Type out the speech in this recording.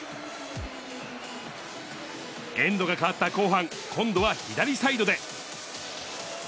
エンドが変わった後半、今度は左サイドで。